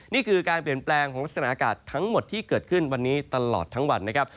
นี่คือการเปลี่ยนแปลงของลักษณะอากาศทั้งหมดที่เกิดขึ้นวันนี้ตลอดทั้งวันนะครับ